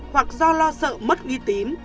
hoặc do lo sợ mất uy tín